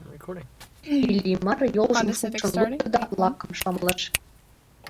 Иллимар йолжым шупшын лукто да лакым шымлыш.